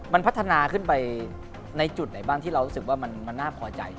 มันพัฒนาขึ้นไปในจุดไหนบ้างที่เรารู้สึกว่ามันน่าพอใจ